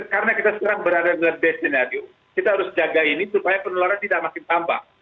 karena kita sekarang berada dalam best senario kita harus jaga ini supaya penularan tidak makin tambah